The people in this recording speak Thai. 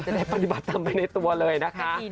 ได้ปฏิบัติตามไปในตัวเลยนะคะ